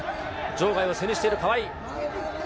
場外を背にしている川井。